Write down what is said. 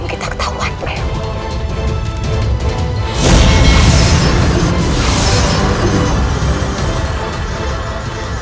ini adalah kartu pengantin